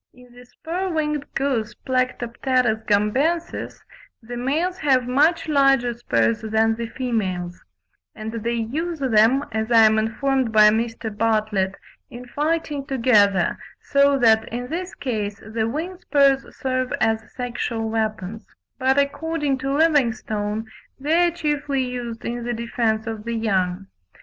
In the spur winged goose, Plectropterus gambensis, the males have much larger spurs than the females; and they use them, as I am informed by Mr. Bartlett, in fighting together, so that, in this case, the wing spurs serve as sexual weapons; but according to Livingstone, they are chiefly used in the defence of the young.